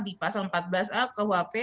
kalau tidak sempat basah ke wap